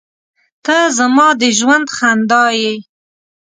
• ته زما د ژوند خندا یې.